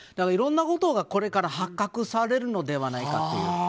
いろんなことがこれから発覚されるのではないかという。